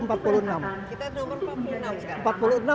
kita nomor empat puluh enam sekarang